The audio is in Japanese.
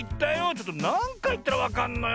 ちょっとなんかいいったらわかんのよ。